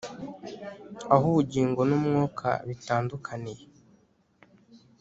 Aho ubugingo n umwuka bitandukaniye